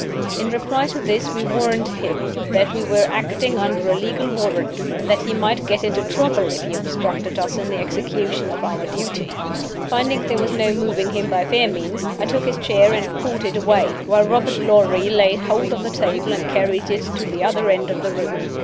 In reply to this we warned him that we were acting under a legal warrant, and that he might get into trouble if he obstructed us in the execution of our duty. Finding there was no moving him by fair means, I took his chair and pulled it away, while Robert Lorrie laid hold of the table and carried it to the other end of the room.